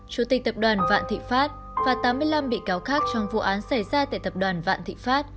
chủ tịch tập đoàn vạn thị pháp và tám mươi năm bị cáo khác trong vụ án xảy ra tại tập đoàn vạn thịnh pháp